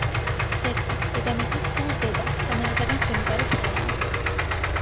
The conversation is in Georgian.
ქერქი - დედამიწის სულ ზედა, ქანებისგან შემდგარი ფენაა.